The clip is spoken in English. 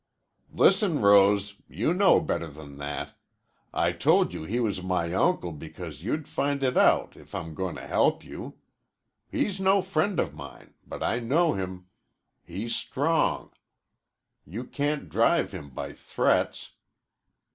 "Listen, Rose. You know better than that. I told you he was my uncle because you'd find it out if I'm goin' to help you. He's no friend of mine, but I know him. He's strong. You can't drive him by threats."